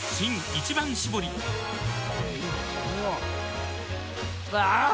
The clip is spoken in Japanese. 「一番搾り」あぁー！